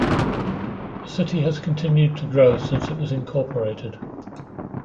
The city has continued to grow since it was incorporated.